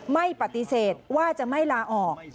ไม่ปฏิเสธว่าจะไม่ลาออก